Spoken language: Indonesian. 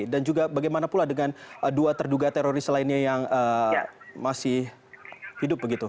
dan juga bagaimana pula dengan dua terduga teroris lainnya yang masih hidup begitu